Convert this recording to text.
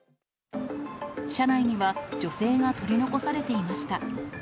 車内には、女性が取り残されていました。